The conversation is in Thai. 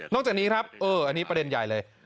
จากนี้ครับอันนี้ประเด็นใหญ่เลย